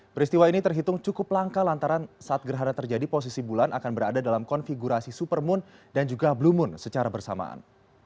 peristiwa ini terhitung cukup langka lantaran saat gerhana terjadi posisi bulan akan berada dalam konfigurasi supermoon dan juga blue moon secara bersamaan